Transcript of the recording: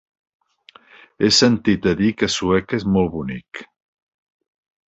He sentit a dir que Sueca és molt bonic.